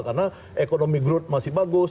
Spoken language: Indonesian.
karena ekonomi grut masih bagus